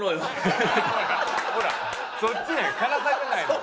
ほらそっちなんよ。